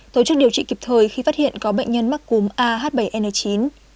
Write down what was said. tổ chức điều trị kịp thời khi phát hiện có bệnh nhân mắc cúm ah bảy n chín